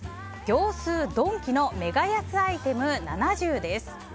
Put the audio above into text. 「業スー・ドンキのメガ安アイテム７０」です。